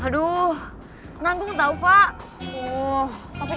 aduh ayo dong cepetan rai